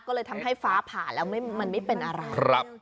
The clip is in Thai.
ก็เลยทำให้ฟ้าผ่าแล้วมันไม่เป็นอะไร